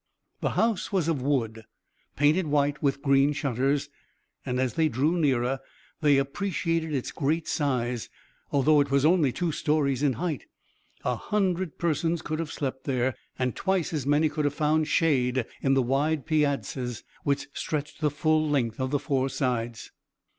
The house was of wood, painted white with green shutters, and as they drew nearer they appreciated its great size, although it was only two stories in height. A hundred persons could have slept there, and twice as many could have found shade in the wide piazzas which stretched the full length of the four sides.